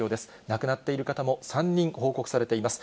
亡くなっている方も３人報告されています。